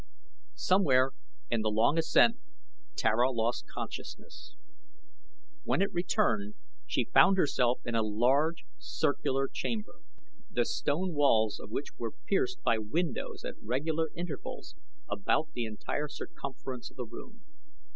Somewhere in the long ascent Tara lost consciousness. When it returned she found herself in a large, circular chamber, the stone walls of which were pierced by windows at regular intervals about the entire circumference of the room.